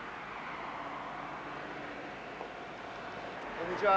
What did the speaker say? こんにちは。